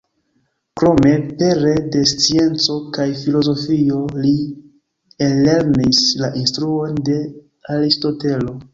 Krome, pere de scienco kaj filozofio li ellernis la instruojn de Aristotelo.